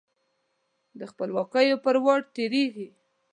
د خپلواکیو پر واټ تیریږې